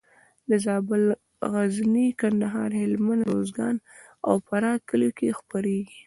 د زابل، غزني، کندهار، هلمند، روزګان او فراه کلیو کې خپرېږي.